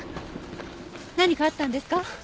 何かあったんですか？